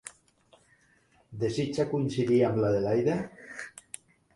Desitja coincidir amb l'Adelaida?